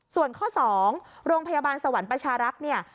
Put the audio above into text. ส่วนข้อ๒โรงพยาบาลสวรรค์ประชารักษ์เนี่ย